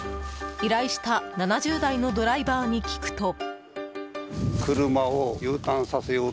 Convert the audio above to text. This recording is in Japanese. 依頼した７０代のドライバーに聞くと。